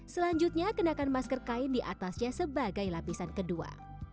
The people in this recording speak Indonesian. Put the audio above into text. selanjutnya kenakan masker kain di atasnya sebagai lapisan kedua